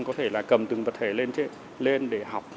có thể là cầm từng vật thể lên để học